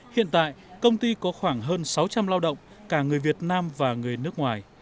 hiện tại công ty có khoảng hơn sáu trăm linh lao động cả người việt nam và người nước ngoài